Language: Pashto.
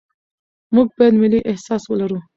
موږ باید ملي احساس ولرو.